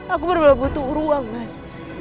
aku bener bener butuh ruang mas